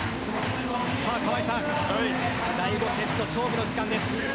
川合さん第５セット、勝負の時間です。